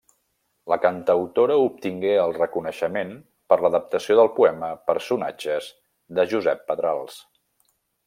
La cantautora obtingué el reconeixement per l'adaptació del poema 'Personatges', de Josep Pedrals.